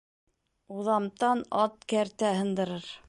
Уҙамтан ат кәртә һындырыр.